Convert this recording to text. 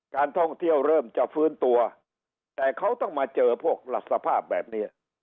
การท่องเที่ยวเริ่มจะฟื้นตัวแต่เขาต้องมาเจอพวกหลักสภาพแบบนี้